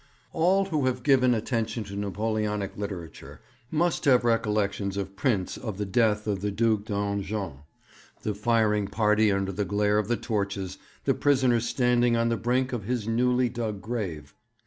'All who have given attention to Napoleonic literature must have recollections of prints of the death of the Duc D'Enghien the firing party under the glare of the torches, the prisoner standing on the brink of his newly dug grave.